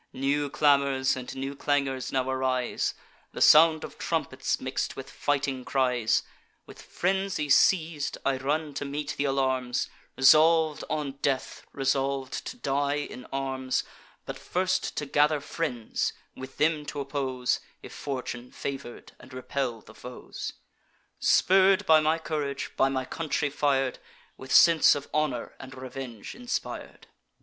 New clamours and new clangours now arise, The sound of trumpets mix'd with fighting cries. With frenzy seiz'd, I run to meet th' alarms, Resolv'd on death, resolv'd to die in arms, But first to gather friends, with them t' oppose If fortune favour'd, and repel the foes; Spurr'd by my courage, by my country fir'd, With sense of honour and revenge inspir'd.